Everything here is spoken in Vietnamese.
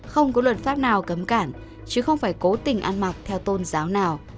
không có luật pháp nào cấm cản chứ không phải cố tình ăn mặc theo tôn giáo nào